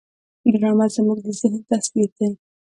ډرامه زموږ د ذهن تصویر دی